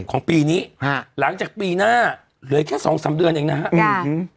ของปีนี้ฮะหลังจากปีหน้าเหลือแค่สองสามเดือนเองนะฮะอืม